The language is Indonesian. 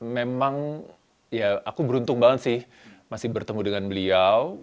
memang ya aku beruntung banget sih masih bertemu dengan beliau